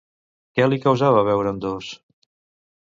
Què li causava veure'n dos?